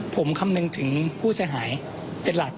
ผมคำนึงถึงผู้เสียหายเป็นหลัก